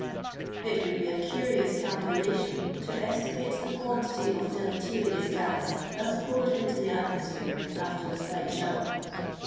It would be a curious calculation to estimate the quantity of deleterious gas thus poured into the atmosphere after m slight shower.